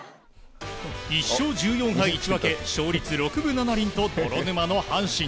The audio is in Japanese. １勝１４敗１分け勝率６分７厘と泥沼の阪神。